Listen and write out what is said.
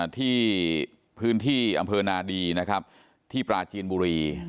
ที่พื้นที่อำเภอนาดีนะครับที่ปราจีนบุรี